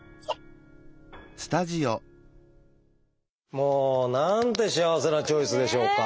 もうなんて幸せな「チョイス！」でしょうか。